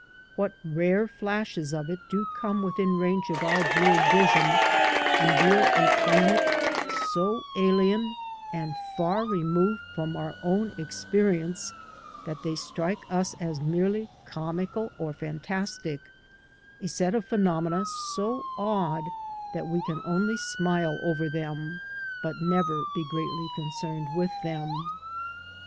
What rare flashes of it do come within range oi our blurred vision reveal a planet so alien and far removed from our experi ence that they strike us as merely comical or fantastic — a set of phenomena so odd that we can only smile over them but never be greatly concerned with them.